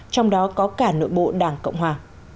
trong đó có cả nội bộ đảng cộng hòa